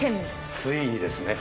ついにですね。